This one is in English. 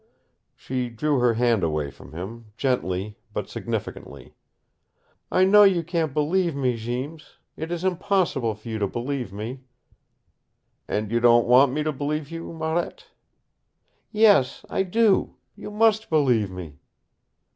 She drew her, hand away from him, gently, but significantly. "I know you can't believe me, Jeems. It is impossible for you to believe me." "And you don't want me to believe you, Marette." "Yes I do. You must believe me."